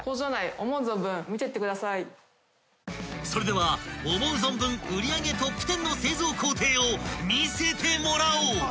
［それでは思う存分売上トップ１０の製造工程を見せてもらおう］